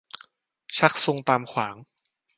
ชักซุงตามขวาง